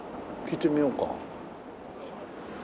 聞いてみようか。